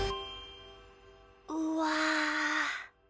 うわ！